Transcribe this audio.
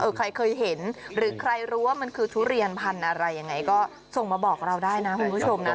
ใครเคยเห็นหรือใครรู้ว่ามันคือทุเรียนพันธุ์อะไรยังไงก็ส่งมาบอกเราได้นะคุณผู้ชมนะ